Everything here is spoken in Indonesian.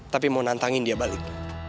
tapi mau nantangin dia balik